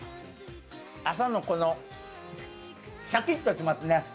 朝のこのシャキッとしますね